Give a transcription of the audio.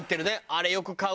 あれよく買う俺。